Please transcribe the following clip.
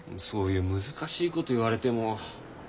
そういう難しいこと言われても。